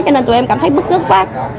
cho nên tụi em cảm thấy bức ức quá